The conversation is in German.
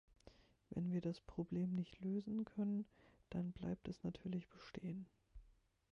Wenn wir das Problem nicht lösen können, dann bleibt es natürlich bestehen.